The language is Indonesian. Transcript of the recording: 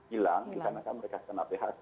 hilang karena mereka terkena phk